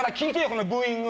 このブーイング。